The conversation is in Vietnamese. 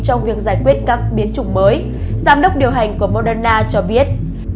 trong việc giải quyết các biến chủng mới giám đốc điều hành của moderna cho biết